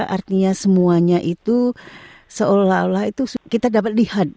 artinya semuanya itu seolah olah itu kita dapat lihat